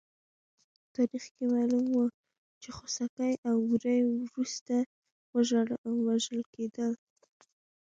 تاریخ کې معمول وه چې خوسکي او وری وروسته وژل کېدل.